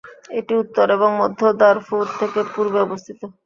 এটি উত্তর এবং মধ্য দারফুর থেকে পূর্বে অবস্থিত।